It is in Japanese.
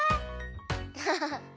アハハハ！